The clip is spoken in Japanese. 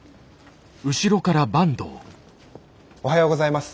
おはようございます。